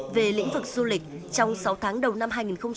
về lĩnh vực du lịch trong sáu tháng đầu năm hai nghìn một mươi tám